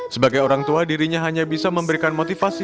sebagai orang tua dirinya hanya bisa memberikan motivasi